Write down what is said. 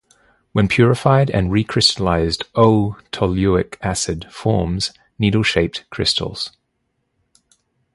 When purified and recrystallized, "o"-toluic acid forms needle-shaped crystals.